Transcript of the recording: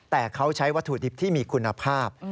แต่เขาใช้วัตถุดิบที่มีคุณภาพ